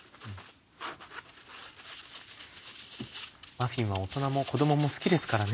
マフィンは大人も子供も好きですからね。